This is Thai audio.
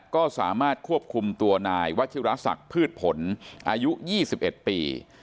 ก็สามารถควบคุมตัวนายวัชิวราศักดิ์พืชผลอายุยี่สิบเอ็ดปี